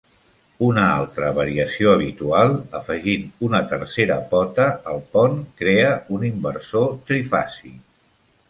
Una altra variació habitual, afegint una tercera "pota" al pont, crea un inversor trifàsic.